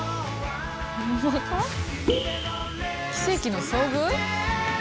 「奇跡の遭遇」？